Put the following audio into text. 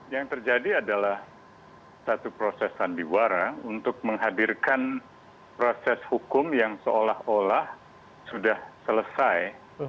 yang terjadi adalah satu proses sandiwara untuk menghadirkan proses hukum yang seolah olah sudah selesai